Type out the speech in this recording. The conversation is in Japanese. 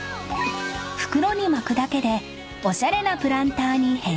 ［袋に巻くだけでおしゃれなプランターに変身］